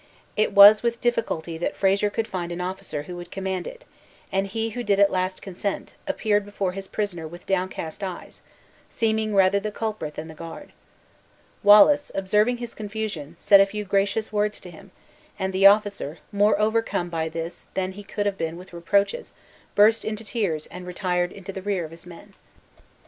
It was with difficulty that Fraser could find an officer who would command it; and he who did at last consent, appeared before his prisoner with downcast eyes; seeming rather the culprit than the guard. Wallace, observing his confusion, said a few gracious words to him; and the officer, more overcome by this than he could have been with reproaches, burst into tears and retired into the rear of his men.